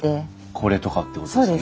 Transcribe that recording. これとかってことですよね。